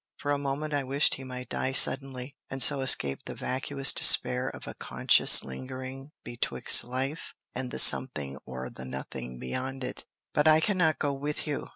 For a moment I wished he might die suddenly, and so escape the vacuous despair of a conscious lingering betwixt life and the something or the nothing beyond it. "But I cannot go with you!"